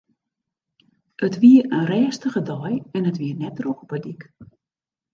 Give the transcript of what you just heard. It wie in rêstige dei en it wie net drok op 'e dyk.